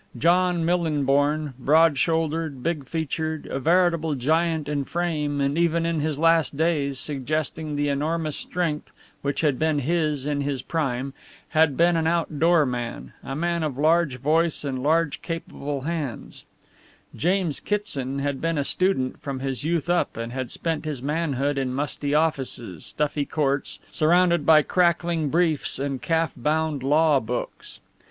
John Millinborn, broad shouldered, big featured, a veritable giant in frame and even in his last days suggesting the enormous strength which had been his in his prime, had been an outdoor man, a man of large voice and large capable hands; James Kitson had been a student from his youth up and had spent his manhood in musty offices, stuffy courts, surrounded by crackling briefs and calf bound law books.